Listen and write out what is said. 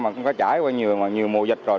mà cũng có trải qua nhiều mùa dịch rồi